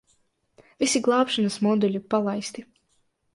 Visi glābšanas moduļi palaisti.